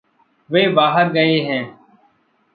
वे बाहर गये हैं।